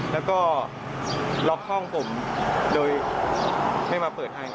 แล้วก็ล็อกห้องผมโดยไม่มาเปิดทาง